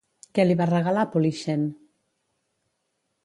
Què li va regalar Polixen?